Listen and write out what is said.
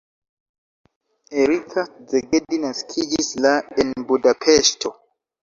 Erika Szegedi naskiĝis la en Budapeŝto.